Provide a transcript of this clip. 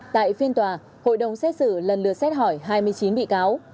tại phiên tòa hội đồng xét xử lần lượt xét hỏi hai mươi chín bị cáo